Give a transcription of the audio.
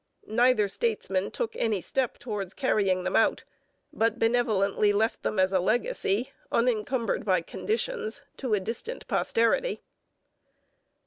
Neither statesman took any step towards carrying them out, but benevolently left them as a legacy, unencumbered by conditions, to a distant posterity.